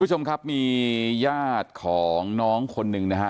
คุณผู้ชมครับมีญาติของน้องคนหนึ่งนะฮะ